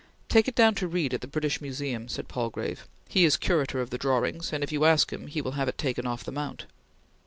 "Take it down to Reed at the British Museum," said Palgrave; "he is Curator of the drawings, and, if you ask him, he will have it taken off the mount."